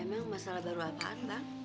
emang masalah baru apaan pak